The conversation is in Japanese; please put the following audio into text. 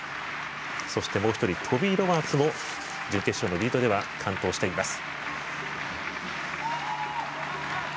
そして、もう１人トビー・ロバーツも準決勝のリードでは完登しています。